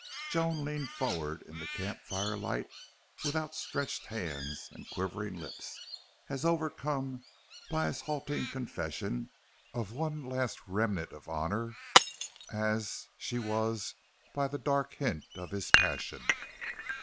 Joan leaned forward in the camp fire light with outstretched hands and quivering lips, as overcome by his halting confession of one last remnant of honor as she was by the dark hint of his passion.